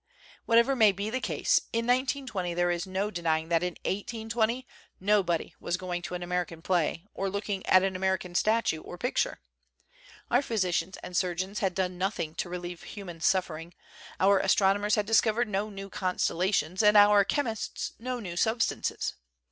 Whatever may be the case in 1920 there is THE CENTENARY OF A QUESTION no denying that in 1820 nobody was going to an American play, or looking at an American statue or picture. Our physicians and surgeons had done nothing to relieve human suffering; our astronomers had discovered no new constella tions and our chemists no new substances.